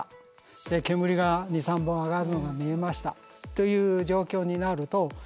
煙が２３本上がるのが見えましたという状況になるとえ